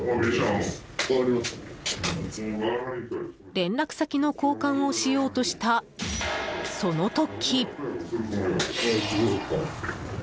連絡先の交換をしようとしたその時。